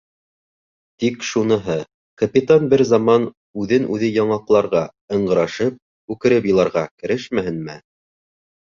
Тик шуныһы: капитан бер заман үҙен-үҙе яңаҡларға, ыңғырашып, үкереп иларға керешмәһенме!